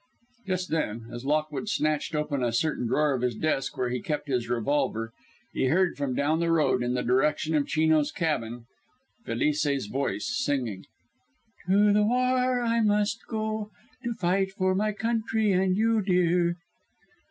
Just then, as Lockwood snatched open a certain drawer of his desk where he kept his revolver, he heard from down the road, in the direction of Chino's cabin, Felice's voice singing: "To the war I must go, To fight for my country and you, dear."